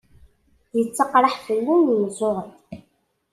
Yettaqraḥ ufellu n yimeẓẓuɣen?